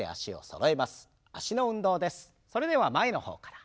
それでは前の方から。